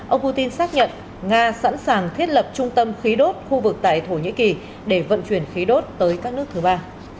ông putin xác nhận nga sẵn sàng thiết lập trung tâm khí đốt khu vực tại thổ nhĩ kỳ để vận chuyển khí đốt tới các nước thứ ba